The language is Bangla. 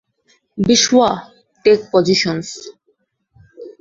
বিশওয়া, টেক পজিশনস।